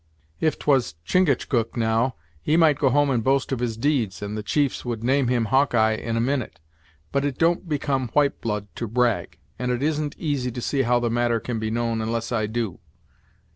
If 't was Chingachgook, now, he might go home and boast of his deeds, and the chiefs would name him Hawkeye in a minute; but it don't become white blood to brag, and 't isn't easy to see how the matter can be known unless I do.